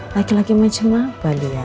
laki laki macam apa lian